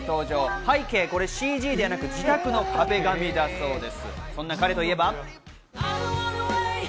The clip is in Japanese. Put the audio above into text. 背景ＣＧではなく自宅の壁紙だそうです。